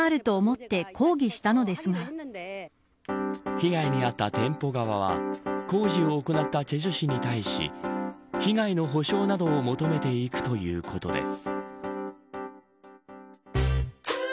被害に遭った店舗側は工事を行った済州市に対し被害の補償などを求めていくということです。